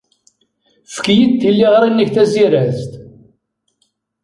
Efk-iyi-d tiliɣri-inek tazirazt.